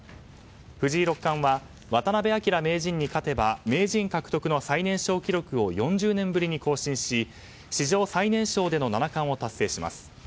藤井六冠は渡辺明名人に勝てば名人獲得の最年少記録を４０年ぶりに更新し、史上最年少での七冠を達成します。